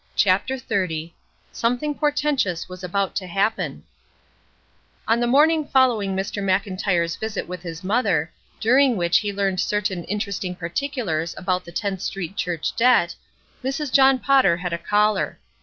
CHAPTER XXX "something portentous was about to happen'' ON the morning following Mr. Mclntyre's visit with his mother, during which he learned certain interesting particulars about the Tenth Street Church debt, Mrs. John Potter had a caller.